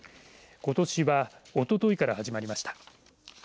ことしはおとといから始まりました。